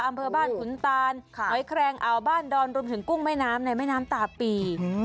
อำเภอบ้านขุนตานหอยแครงอ่าวบ้านดอนรวมถึงกุ้งแม่น้ำในแม่น้ำตาปี